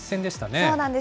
そうなんです。